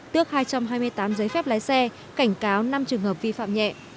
tước hai trăm hai mươi tám giấy phép lái xe cảnh cáo năm trường hợp vi phạm nhẹ